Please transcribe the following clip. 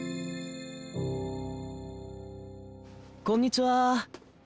こんにちは。